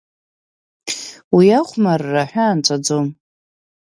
Уи ахәмарра аҳәаа нҵәаӡом.